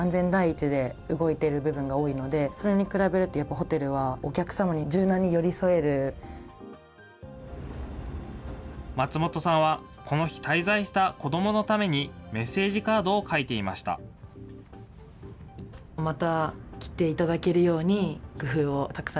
ホテルでは、客と向き合う時松本さんはこの日、滞在した子どものためにメッセージカードを書いていました。